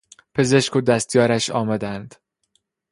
پزشک و دستیارش آمدند.